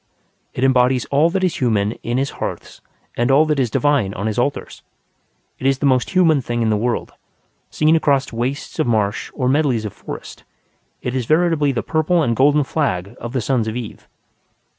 It embodies all that is human in his hearths and all that is divine on his altars. It is the most human thing in the world; seen across wastes of marsh or medleys of forest, it is veritably the purple and golden flag of the sons of Eve.